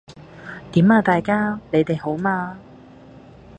點啊大家，你哋好嗎？